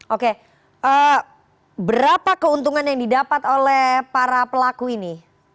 oke berapa keuntungan yang didapat oleh para pelaku ini